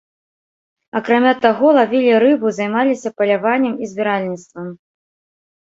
Акрамя таго, лавілі рыбу, займаліся паляваннем і збіральніцтвам.